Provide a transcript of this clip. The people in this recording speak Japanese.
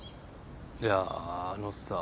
いやあのさ。